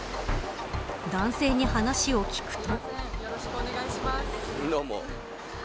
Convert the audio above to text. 男性に話を聞くと。